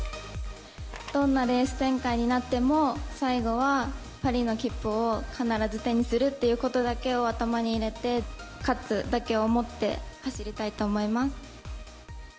どんなレース展開になっても、最後はパリの切符を必ず手にするということだけを頭に入れて、勝つだけを思って走りたいと思います。